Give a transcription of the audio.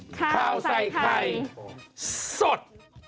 ข่าวใส่ไข่สด